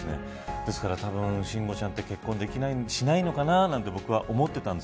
ですから慎吾ちゃんって結婚しないのかなと僕は思っていたんです。